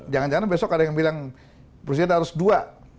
jangan jangan besok ada yang bilang presiden harus dua